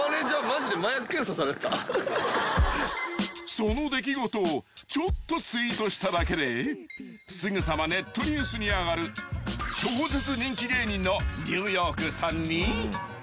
［その出来事をちょっとツイートしただけですぐさまネットニュースに上がる超絶人気芸人のニューヨークさんに］